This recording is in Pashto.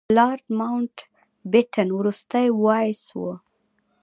لارډ ماونټ بیټن وروستی وایسराय و.